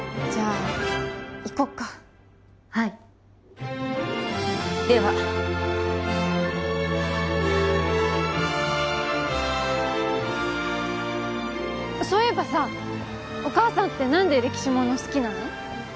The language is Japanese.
じゃあ行こっかはいではそういえばさお母さんって何で歴史もの好きなの？